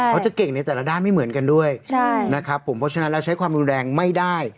เขาจะเก่งในแต่ละด้านไม่เหมือนกันด้วยนะครับผมเพราะฉะนั้นเราใช้ความรุนแรงไม่ได้